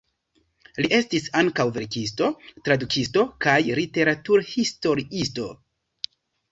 Li estis ankaŭ verkisto, tradukisto kaj literaturhistoriisto.